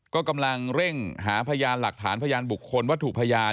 ก็กำลังเร่งหาพยานหลักฐานพยานบุคคลวัตถุพยาน